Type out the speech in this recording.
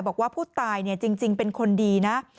บอกว่าผู้ตายจริงเป็นคนดีนะ